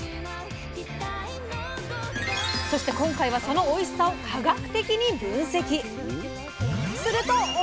そして今回はそのおいしさを科学的に分析。